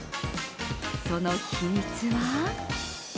その秘密は？